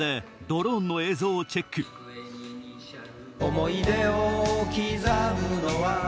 想い出を刻むのは